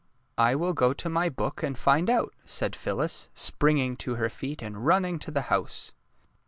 ^^ I will go to my book and find out," said Phyllis, springing to her feet and running to the house.